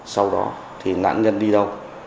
sau đó thì nạn nhân đi đâu